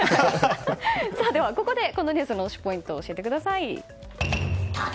ではここでこのニュースの推しポイントを教えてください。